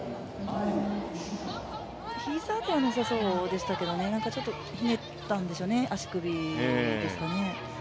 膝ではなさそうでしたけど、ちょっとひねったんでしょうね、足首ですかね。